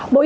bộ y tế